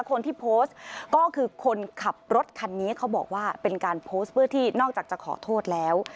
คนที่โพสต์ก็คือคนขับรถคันนี้เขาบอกว่าเป็นการโพสต์เพื่อที่นอกจากจะขอโทษแล้ว